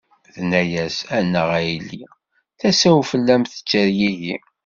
Tenna-as: A nnaɣ a yelli, tasa-w fell-am tettergigi.